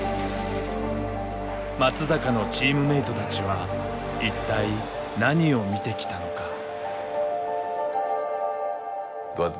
松坂のチームメートたちは一体何を見てきたのか。